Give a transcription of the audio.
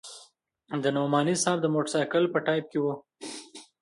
د نعماني صاحب د موټرسایکل په ټایپ کې وه.